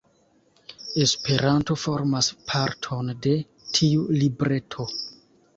Esperanto formas parton de tiu libreto.